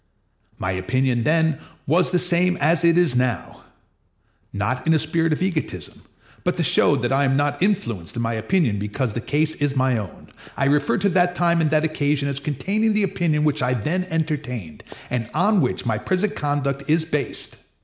My opinion then was the same that it is now. Not in a spirit of egotism, but to show that I am not influenced in my opinion because the case is my own, I refer to that time and that occasion as containing the opinion which I then entertained, and on which my present conduct is based.